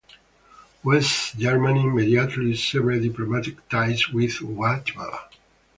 West Germany immediately severed diplomatic ties with Guatemala.